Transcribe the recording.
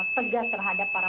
tegas terhadap para